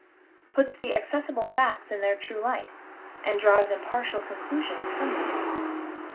puts the accessible facts in their true light, and draws impartial conclusions from them.